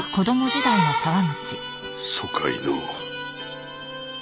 疎開の。